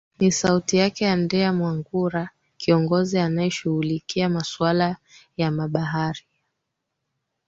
m ni sauti yake andrew mwangura kiongozi anaye shughulikia maswala ya mabaharia